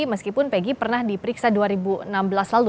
meskipun peggy pernah diperiksa dua ribu enam belas lalu